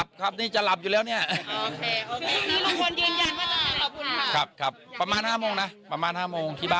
วันนี้จะกลับไปจะนอนหลับไหมคะ